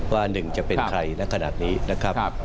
ว่าหนึ่งจะเป็นใครณขนาดนี้นะครับ